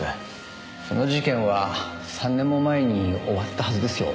その事件は３年も前に終わったはずですよ。